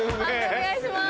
お願いします！